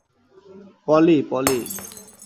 পলি, পলি!